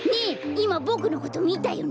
いまボクのことみたよね？